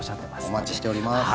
お待ちしております。